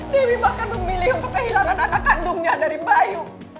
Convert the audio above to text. dewi bahkan memilih untuk kehilangan anak kandungnya dari bayu